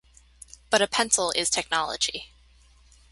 But a pencil is technology.